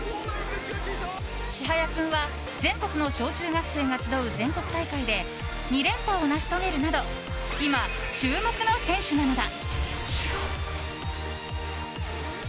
Ｓｈｉｈａｙａ君は全国の小中学生が集う全国大会で２連覇を成し遂げるなど今、注目の選手なのだ。